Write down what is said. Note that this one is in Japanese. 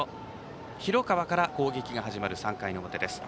廣川から攻撃が始まる３回の表です。